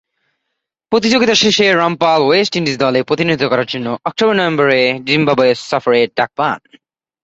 প্রতিযোগিতা শেষে Rampal West Indies দলে প্রতিনিধিত্ব করার জন্য অক্টোবর-নভেম্বরে জিম্বাবুয়ে সফরে ডাক পান।